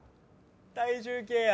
「体重計」や。